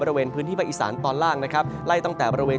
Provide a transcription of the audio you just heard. บริเวณพื้นที่ภาคอีสานตอนล่างนะครับไล่ตั้งแต่บริเวณ